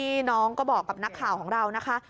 โอ้เนี่ยค่ะที่น้องก็บอกกับนักข่าวของเรานะคะ